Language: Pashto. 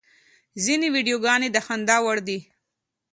ځینې ویډیوګانې د خندا وړ دي.